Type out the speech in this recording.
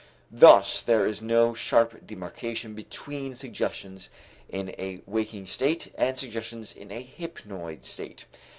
Thus there is no sharp demarcation between suggestions in a waking state and suggestions in a hypnoid state.